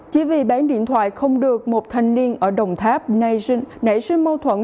chỉ vì bán điện thoại không được một thanh niên ở đồng tháp nảy sinh mâu thuẫn